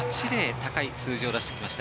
高い数字を出してきました。